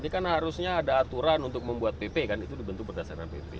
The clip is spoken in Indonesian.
ini kan harusnya ada aturan untuk membuat pp kan itu dibentuk berdasarkan pp